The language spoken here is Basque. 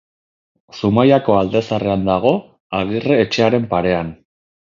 Zumaiako Alde Zaharrean dago, Agirre etxearen parean.